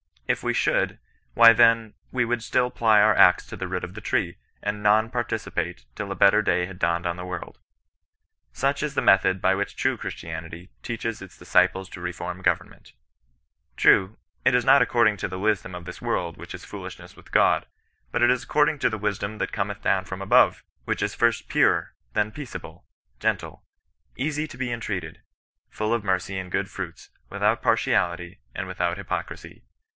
If we should, why then, we would still ply our axe to the root of the tree, and nonrpartidpate till a bettcjr day had dawned on the world. Such is the method by which true Christianity teaches its disciples to reform government. True, it is not according to " the wisdom of this world, which is foolish ness with God;" but it is according to "the wisdom that Cometh down from above, which is first pure, then CHRISTIAN NON RESISTANCE. J 69 peaceable, gentle, easy to be entreated, full of mercy and good fruits, without partiality, and without hypocrisy."